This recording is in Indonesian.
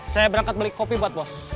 saya berangkat beli kopi buat bos